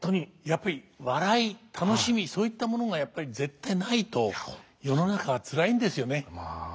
やっぱり笑い楽しみそういったものがやっぱり絶対ないと世の中は辛いんですよね。